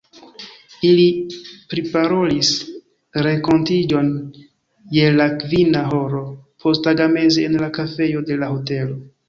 Ili priparolis renkontiĝon je la kvina horo posttagmeze en la kafejo de la hotelo.